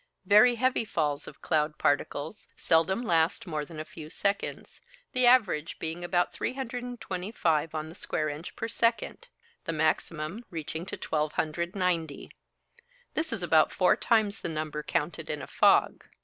Very heavy falls of cloud particles seldom last more than a few seconds, the average being about 325 on the square inch per second, the maximum reaching to 1290. This is about four times the number counted in a fog.